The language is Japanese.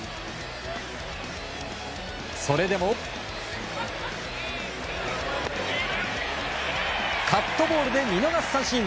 それでも、カットボールで見逃し三振！